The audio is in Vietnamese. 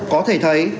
có thể thấy